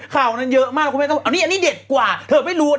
ข่าวนั้นเยอะมากคุณแม่งพูดว่าอันนี้เด็ดกว่าเธอไม่รู้